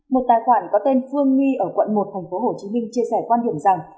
một tài khoản có tên phương nghi ở quận một tp hcm chia sẻ quan điểm rằng